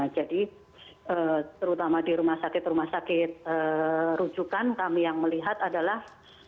jadi terutama di rumah sakit rumah sakit rujukan kami yang melihat adalah